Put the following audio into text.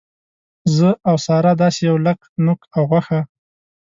زه او ساره داسې یو لک نوک او غوښه.